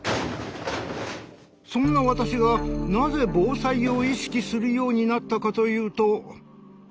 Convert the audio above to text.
そんな私がなぜ防災を意識するようになったかというと。